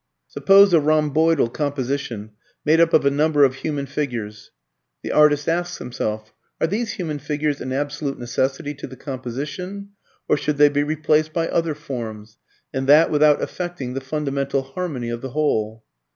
Suppose a rhomboidal composition, made up of a number of human figures. The artist asks himself: Are these human figures an absolute necessity to the composition, or should they be replaced by other forms, and that without affecting the fundamental harmony of the whole?